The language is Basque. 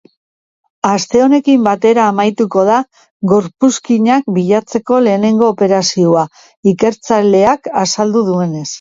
Aste honekin batera amaituko da gorpuzkinak bilatzeko lehenengo operazioa, ikertzaileak azaldu duenez.